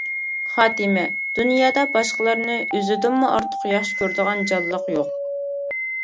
خاتىمە: دۇنيادا باشقىلارنى ئۆزىدىنمۇ ئارتۇق ياخشى كۆرىدىغان جانلىق يوق!